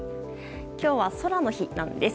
今日は空の日です。